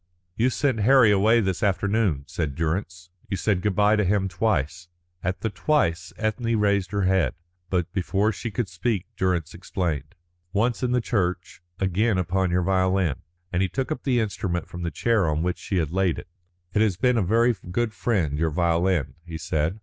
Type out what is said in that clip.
"You sent Harry away this afternoon," said Durrance. "You said good bye to him twice." At the "twice" Ethne raised her head, but before she could speak Durrance explained: "Once in the church, again upon your violin," and he took up the instrument from the chair on which she had laid it. "It has been a very good friend, your violin," he said.